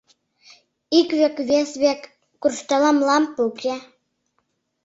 Ик век, вес век куржталам — лампе уке.